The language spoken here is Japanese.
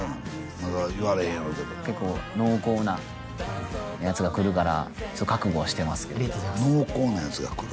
まだ言われへんやろうけど結構濃厚なやつがくるから覚悟はしてますけど濃厚なやつがくる？